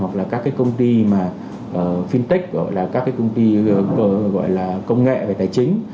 hoặc là các công ty mà fintech các công ty gọi là công nghệ về tài chính